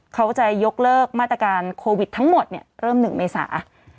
เขาจะยกเลิกมาตรการโควิดทั้งหมดเริ่ม๑เมษา